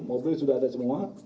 mobil sudah ada semua